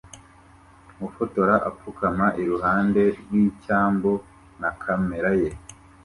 Ufotora apfukama iruhande rw'icyambu na kamera ye